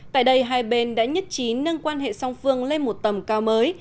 tại đây hai bên đã nhất trí nâng quan hệ song phương lên một tầm cao mới